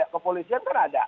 kepolisian kan ada